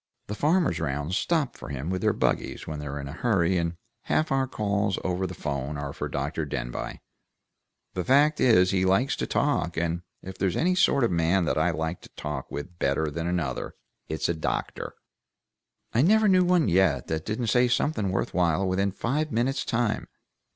The farmers round stop for him with their buggies, when they're in a hurry, and half our calls over the 'phone are for Dr. Denbigh. The fact is he likes to talk, and if there's any sort of man that I like to talk with better than another, it's a doctor. I never knew one yet that didn't say something worth while within five minutes' time.